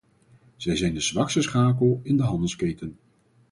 Zij zijn de zwakste schakel in de handelsketen.